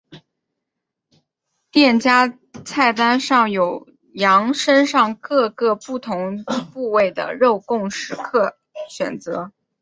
店家菜单上有羊身上各个不同的部位的肉供食客选择。